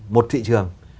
một thị trường